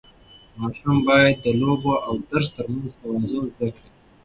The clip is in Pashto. ماشوم باید د لوبو او درس ترمنځ توازن زده کړي.